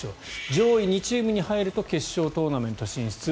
上位２チームに入ると決勝トーナメント進出。